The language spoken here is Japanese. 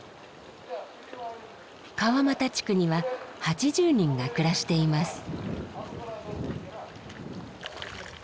川俣地区には８０人が暮らしています。